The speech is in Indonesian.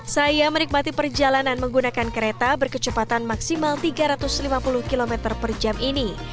saya menikmati perjalanan menggunakan kereta berkecepatan maksimal tiga ratus lima puluh km per jam ini